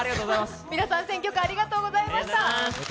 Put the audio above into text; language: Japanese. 皆さん選曲ありがとうございました。